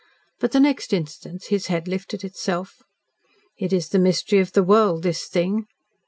But the next instant his head lifted itself. "It is the mystery of the world this thing.